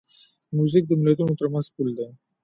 موزیک د ملتونو ترمنځ پل دی.